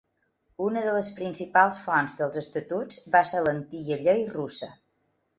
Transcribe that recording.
Una de les principals fonts dels estatuts va ser l'antiga llei russa.